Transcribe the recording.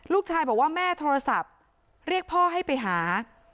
ลูกชายบอกว่าแม่โทรศัพท์เรียกพ่อให้ไปหา